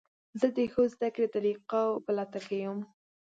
زه د ښو زده کړې طریقو په لټه کې یم.